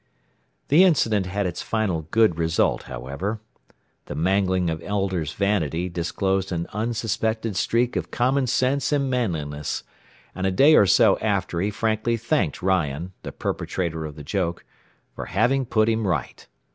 The incident had its final good result, however. The mangling of Elder's vanity disclosed an unsuspected streak of common sense and manliness, and a day or so after he frankly thanked Ryan, the perpetrator of the joke, for "having put him right."